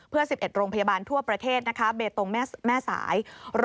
เพื่อ๑๑โรงพยาบาลทั่วประเทศนะคะเบตงแม่สาย